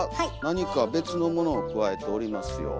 何か別のものをくわえておりますよ。